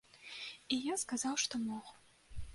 І я сказаў, што мог.